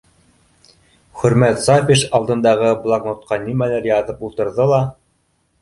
Хөрмәт Сафич алдындағы блокнотҡа нимәлер яҙып ултырҙы ла: